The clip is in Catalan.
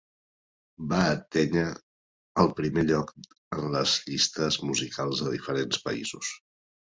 Va atènyer el primer lloc en les llistes musicals de diferents països.